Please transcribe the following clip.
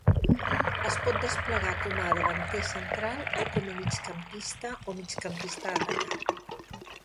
Es pot desplegar com a davanter central o com a migcampista o migcampista atacant.